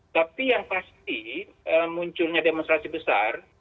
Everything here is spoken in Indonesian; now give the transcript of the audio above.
tapi yang pasti munculnya demonstrasi besar